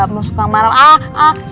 mau suka malah